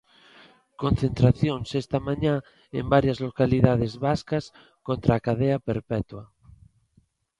Concentracións esta mañá en varias localidades vascas contra a cadea perpetua.